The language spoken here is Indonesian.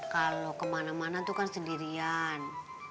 kalau kemana mana itu kan sendirian